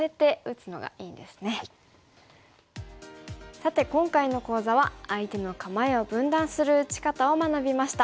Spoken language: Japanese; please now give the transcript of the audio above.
さて今回の講座は相手の構えを分断する打ち方を学びました。